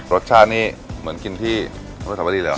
รสชาตินี้เหมือนกินที่ทะวัดธรรมดีแล้ว